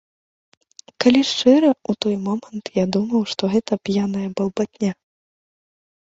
Калі шчыра, у той момант я думаў, што гэта п'яная балбатня.